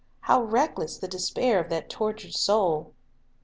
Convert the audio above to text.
how reckless the despair of that tortured soul!